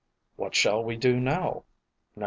What Shall We Do Now? 1906.